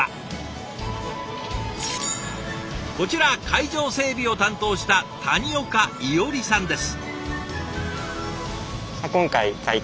こちら会場整備を担当した谷岡伊織さんです。